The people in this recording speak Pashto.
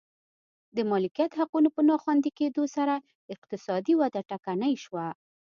د مالکیت حقونو په ناخوندي کېدو سره اقتصادي وده ټکنۍ شوه.